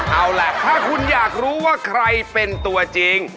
เอาล่ะถ้าคุณอยากรู้ว่าใครเป็นตัวจริง